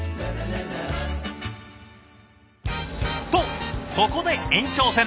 とここで延長戦。